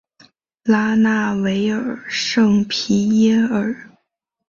拉纳维尔圣皮耶尔。